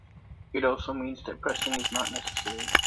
It also means that pressing is not necessary.